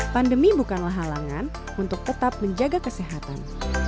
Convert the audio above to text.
pandemi bukanlah halangan untuk tetap menjaga kesehatan